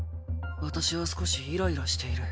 私は少しイライラしている。